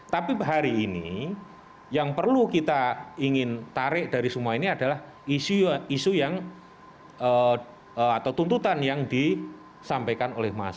tapi hari ini yang perlu kita ingin tarik dari semua ini adalah isu yang atau tuntutan yang disampaikan oleh masyarakat